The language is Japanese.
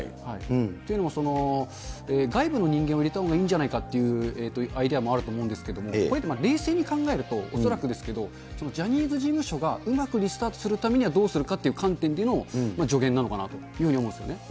というのも、外部の人間を入れたほうがいいんじゃないかというアイデアもあると思うんですけれども、これって冷静に考えると、恐らくですけど、ジャニーズ事務所がうまくリスタートするためにはどうするかっていう観点での、助言なのかなというふうに思うんですよね。